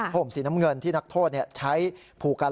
ผมสีน้ำเงินที่นักโทษใช้ผูกกัน